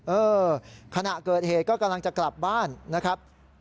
เออขณะเกิดเหตุก็กำลังจะกลับบ้านนะครับ